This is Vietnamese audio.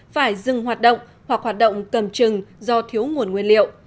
phải dừng hoạt động hoặc hoạt động cầm chừng do thiếu nguồn nguyên liệu